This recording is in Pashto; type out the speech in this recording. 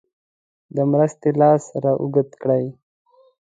د مرستې لاس را اوږد کړي.